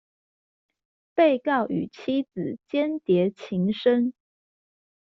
被告與妻子鰜鰈情深